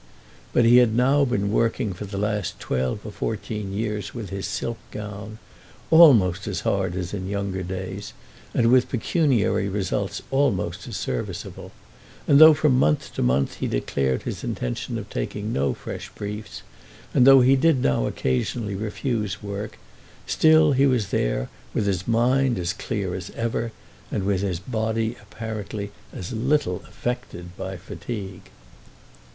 But he had now been working for the last twelve or fourteen years with his silk gown, almost as hard as in younger days, and with pecuniary results almost as serviceable; and though from month to month he declared his intention of taking no fresh briefs, and though he did now occasionally refuse work, still he was there with his mind as clear as ever, and with his body apparently as little affected by fatigue.